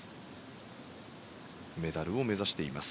メダルを目指しています。